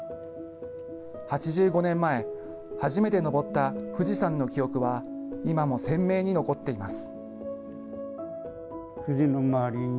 ８５年前、初めて登った富士山の記憶は、今も鮮明に残っています。